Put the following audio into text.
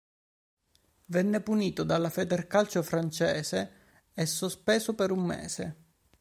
Venne punito dalla Federcalcio francese e sospeso per un mese.